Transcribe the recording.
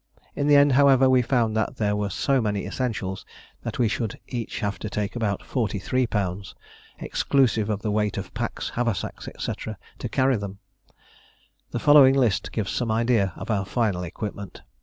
In the end, however, we found that there were so many essentials that we should have each to take about 43 lb., exclusive of the weight of packs, haversacks, &c., to carry them. The following list gives some idea of our final equipment.